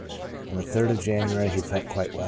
On the 3rd of January he felt quite well.